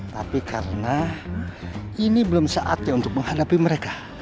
tapi karena ini belum saatnya untuk menghadapi mereka